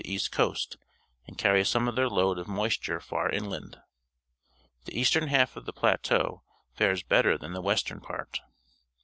\FRICA 235 east coast and carry some of their load of moisture far inland. The eastern half of the plateau fares better than the western part.